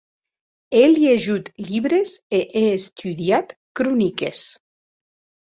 È liejut libres e è estudiat croniques.